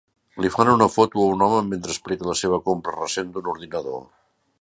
Li fan una foto a un home mentre explica la seva compra recent d'un ordinador.